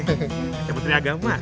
kata menteri agama